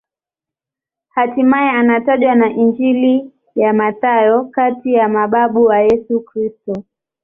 Hatimaye anatajwa na Injili ya Mathayo kati ya mababu wa Yesu Kristo.